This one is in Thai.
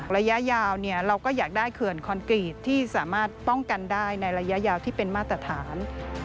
ระยะยาวเราก็อยากได้เขื่อนคอนกรีตที่สามารถป้องกันได้ในระยะยาวที่เป็นมาตรฐาน